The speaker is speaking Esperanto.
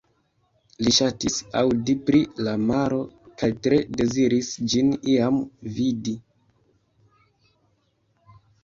Li ŝatis aŭdi pri la maro, kaj tre deziris ĝin iam vidi.